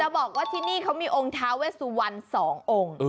บอกว่าที่นี่เขามีองค์ท้าเวสวัน๒องค์